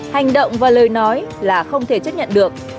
hành động và lời nói là không thể chấp nhận được